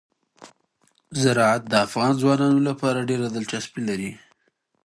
زراعت د افغان ځوانانو لپاره ډېره دلچسپي لري.